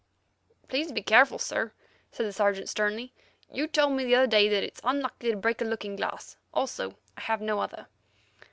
"Please be careful, sir," said the Sergeant sternly; "you told me the other day that it's unlucky to break a looking glass; also I have no other."